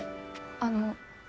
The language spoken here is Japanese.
あの。